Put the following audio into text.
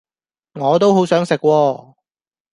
我都好想食喎